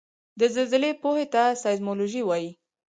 د زلزلې پوهې ته سایزمولوجي وايي